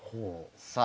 さあ。